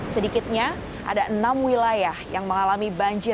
sedikitnya ada enam wilayah yang mengalami banjir